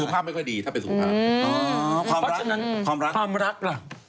สุขภาพไม่ค่อยดีถ้าเป็นสุขภาพ